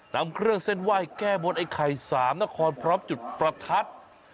นามเครื่องเส้นว่ายแก้บทไข่๓นครพร้อมจุดประทัด